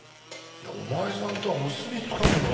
お前さんとは結びつかんな。